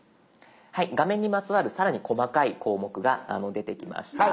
画面にまつわる更に細かい項目が出てきました。